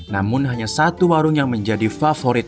namun hanya satu warung yang menjadi favorit